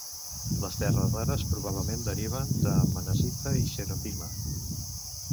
Les terres rares probablement deriven de monazita i xenotima.